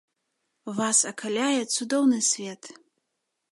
Вас акаляе цудоўны свет.